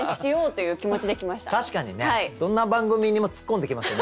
確かにねどんな番組にも突っ込んできますよね